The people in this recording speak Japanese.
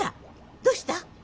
どうした？